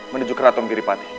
menuju keraton biripati